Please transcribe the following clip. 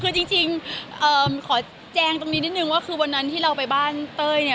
คือจริงขอแจงตรงนี้นิดนึงว่าคือวันนั้นที่เราไปบ้านเต้ยเนี่ย